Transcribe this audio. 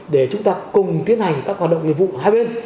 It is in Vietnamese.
để chúng ta cùng tiến hành các hoạt động nghiệp vụ hai bên